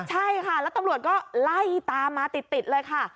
ใช่ค่ะแล้วตำรวจก็ไล่ตามมาติดเลยค่ะ